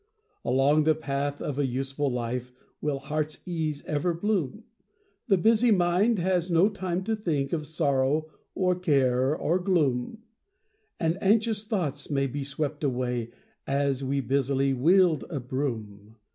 Along the path of a useful life Will heart's ease ever bloom; The busy mind has no time to think Of sorrow, or care, or gloom; And anxious thoughts may be swept away As we busily wield a broom.